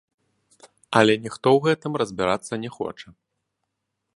Але ніхто ў гэтым разбірацца не хоча.